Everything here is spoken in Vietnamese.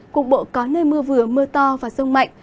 cục bộ có nơi mưa vừa mưa to và rông mạnh